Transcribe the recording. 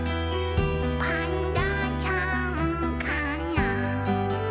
「パンダちゃんかな？」